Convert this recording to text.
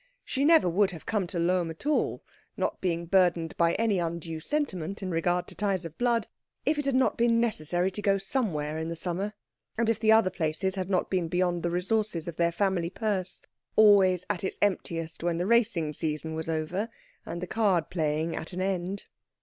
She never would have come to Lohm at all, not being burdened with any undue sentiment in regard to ties of blood, if it had not been necessary to go somewhere in the summer, and if the other places had not been beyond the resources of the family purse, always at its emptiest when the racing season was over and the card playing at an end.